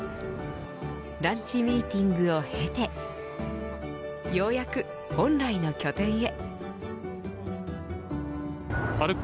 ランチミーティングを経てようやく本来の拠点へ。